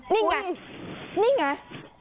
นี่ไงนี่ไง